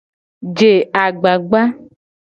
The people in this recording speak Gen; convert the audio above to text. Je agbagba.